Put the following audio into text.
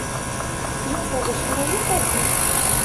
Yuba d acennay ifazen.